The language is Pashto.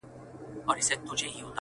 راته ستا حال راكوي,